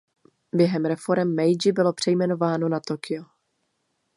Během reforem Meidži bylo přejmenováno na Tokio.